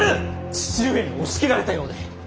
父上に押し切られたようで。